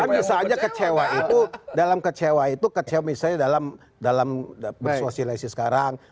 bisa aja kecewa itu dalam kecewa itu kecewa misalnya dalam persuasi laisi sekarang